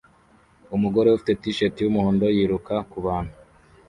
Umugore ufite t-shati yumuhondo yiruka kubantu